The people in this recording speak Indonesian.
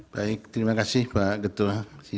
baik terima kasih pak ketua